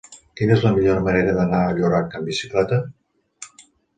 Quina és la millor manera d'anar a Llorac amb bicicleta?